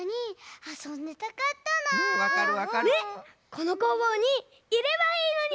このこうぼうにいればいいのに！